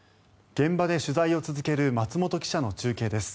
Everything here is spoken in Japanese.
現場で取材を続ける松本記者の中継です。